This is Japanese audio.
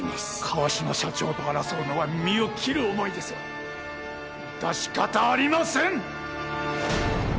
川嶋社長と争うのは身を切る思いですが致し方ありません！